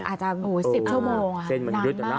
อาจจะ๑๐ชั่วโมงค่ะ